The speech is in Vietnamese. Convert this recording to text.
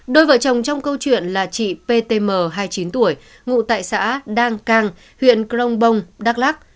đôi vợ chồng trong câu chuyện là chị ptm hai mươi chín tuổi ngụ tại xã đang cang huyện crong bông đắk lắc